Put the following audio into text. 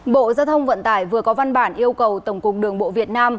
bộ giao thông vận tải vừa có văn bản yêu cầu tổng cục đường bộ việt nam